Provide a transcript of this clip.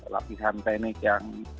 lapisan teknik yang